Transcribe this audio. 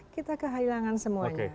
kita kehilangan semuanya